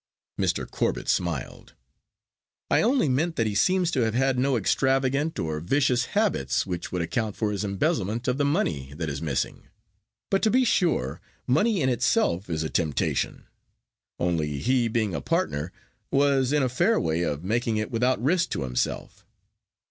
Mr. Corbet smiled. "I only meant that he seems to have had no extravagant or vicious habits which would account for his embezzlement of the money that is missing but, to be sure, money in itself is a temptation only he, being a partner, was in a fair way of making it without risk to himself.